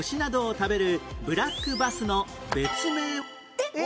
えっ！？